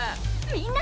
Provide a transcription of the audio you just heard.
みんな！